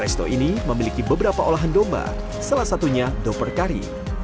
resto ini memiliki beberapa olahan domba salah satunya doper kari